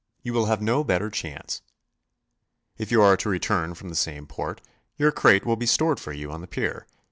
You will have no better chance. If you are to return from the same port, your crate will be stored for you on the pier.